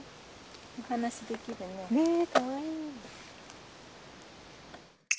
お話しできるね。ねえかわいい。